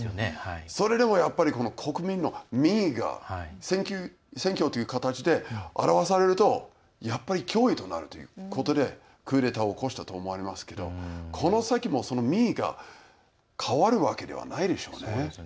それでもやっぱり、国民の民意が選挙という形で表されるとやっぱり脅威となるということでクーデターを起こしたと思われますがこの先も、その民意が変わるわけではないでしょうね。